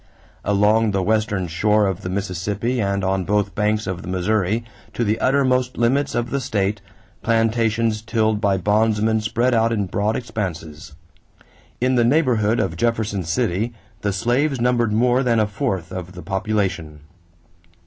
Along the western shore of the Mississippi and on both banks of the Missouri to the uttermost limits of the state, plantations tilled by bondmen spread out in broad expanses. In the neighborhood of Jefferson City the slaves numbered more than a fourth of the population.